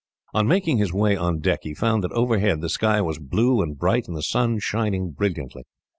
On making his way on deck, he found that overhead the sky was blue and bright, and the sun shining brilliantly.